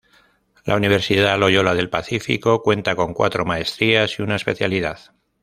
La Universidad Loyola del Pacífico cuenta con cuatro maestrías y una especialidad.